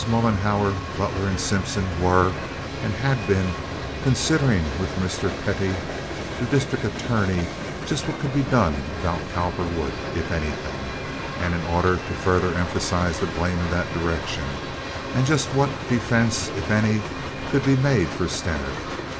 Mollenhauer, Butler, and Simpson were, and had been, considering with Mr. Pettie, the district attorney, just what could be done about Cowperwood, if anything, and in order to further emphasize the blame in that direction, and just what defense, if any, could be made for Stener.